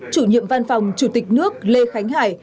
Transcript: chủ nhiệm văn phòng chủ tịch nước lê khánh hải